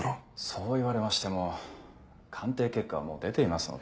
そう言われましても鑑定結果はもう出ていますので。